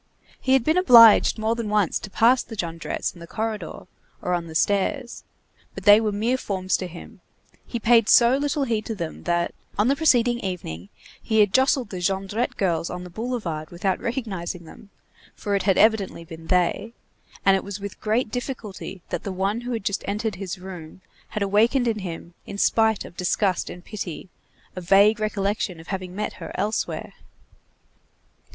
He had been obliged more than once to pass the Jondrettes in the corridor or on the stairs; but they were mere forms to him; he had paid so little heed to them, that, on the preceding evening, he had jostled the Jondrette girls on the boulevard, without recognizing them, for it had evidently been they, and it was with great difficulty that the one who had just entered his room had awakened in him, in spite of disgust and pity, a vague recollection of having met her elsewhere.